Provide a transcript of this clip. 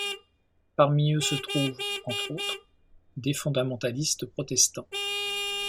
Parmi eux se trouvent, entre autres, des fondamentalistes protestants.